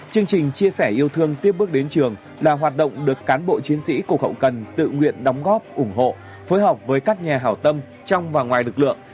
chương trình chia sẻ yêu thương tiếp bước đến trường là hoạt động được cán bộ chiến sĩ cục hậu cần tự nguyện đóng góp ủng hộ phối hợp với các nhà hào tâm trong và ngoài lực lượng